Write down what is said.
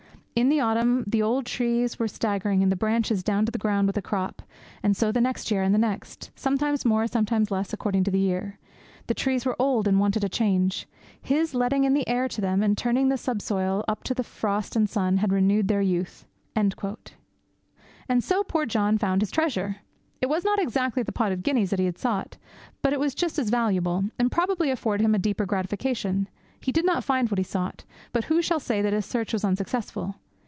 In the autumn the old trees were staggering, and the branches down to the ground with the crop; and so the next year, and the next; sometimes more, sometimes less, according to the year. The trees were old, and wanted a change. His letting in the air to them, and turning the subsoil up to the frost and sun, had renewed their youth.' And so poor John found his treasure. It was not exactly the pot of guineas that he sought; but it was just as valuable, and probably afforded him a deeper gratification. He did not find what he sought, but who shall say that his search was unsuccessful?